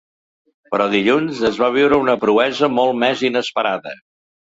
Però dilluns es va viure una proesa molt més inesperada.